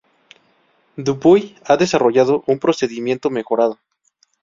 Dupuy ha desarrollado un procedimiento mejorado.